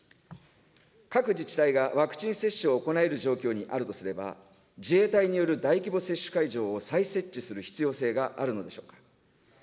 各自治体がワクチン接種を行える状況にあるとすれば、自衛隊による大規模接種会場を再設置する必要性があるのでしょうか。